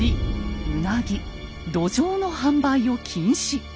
うなぎどじょうの販売を禁止。